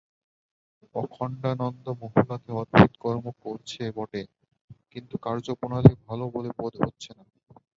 অখণ্ডানন্দ মহুলাতে অদ্ভুত কর্ম করছে বটে, কিন্তু কার্য-প্রণালী ভাল বলে বোধ হচ্ছে না।